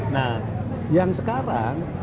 nah yang sekarang